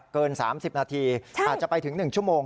เกิน๓๐นาทีอาจจะไปถึง๑ชั่วโมง